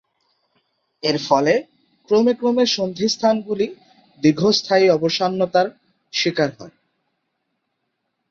এর ফলে ক্রমে ক্রমে সন্ধিস্থানগুলি দীর্ঘস্থায়ী অবসন্নতার শিকার হয়।